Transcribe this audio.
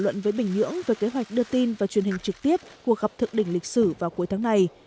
luận với bình nhưỡng về kế hoạch đưa tin và truyền hình trực tiếp cuộc gặp thượng đỉnh lịch sử vào cuối tháng này